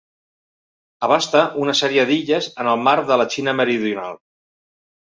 Abasta una sèrie d'illes en el mar de la Xina Meridional.